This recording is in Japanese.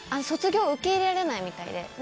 卒業を受け入れられないみたいで。